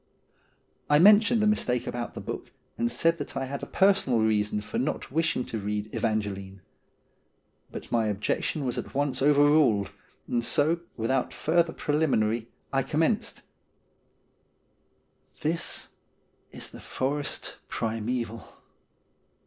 I mentioned the mistake about the book, and said that I had a personal reason for not wishing to read ' Evangeline.' But my objection was at once overruled, and so, without further preliminary, I commenced : This is the forest primaeval.